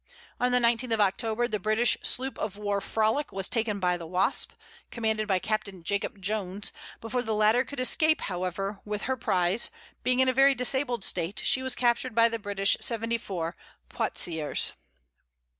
On the 19th of October the British sloop of war Frolic was taken by the Wasp, commanded by Captain Jacob Jones; before the latter could escape, however, with her prize, being in a very disabled state, she was captured by the British seventy four, Poictiers.